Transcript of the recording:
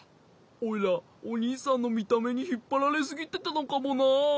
オイラおにいさんのみためにひっぱられすぎてたのかもな。